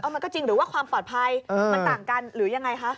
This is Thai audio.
มันก็จริงหรือว่าความปลอดภัยมันต่างกันหรือยังไงคะ